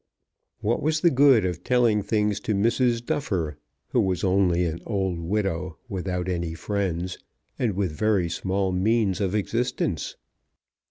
What was the good of telling things to Mrs. Duffer, who was only an old widow without any friends, and with very small means of existence?